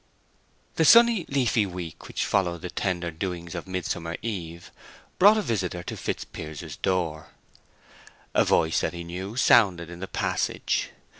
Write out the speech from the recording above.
The sunny, leafy week which followed the tender doings of Midsummer Eve brought a visitor to Fitzpiers's door; a voice that he knew sounded in the passage.